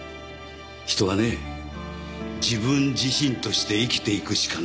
人はね自分自身として生きていくしかない。